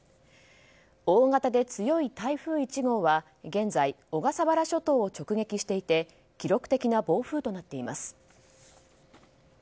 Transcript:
大型で強い台風１号は現在、小笠原諸島を直撃していて記録的な暴風となっています。